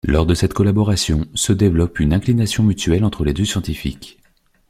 Lors de cette collaboration se développe une inclination mutuelle entre les deux scientifiques.